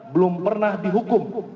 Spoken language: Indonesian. belum pernah dihukum